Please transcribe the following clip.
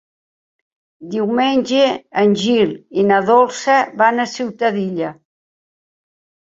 Diumenge en Gil i na Dolça van a Ciutadilla.